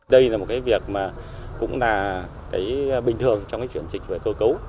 đây là một việc bình thường trong chuyển dịch cơ cấu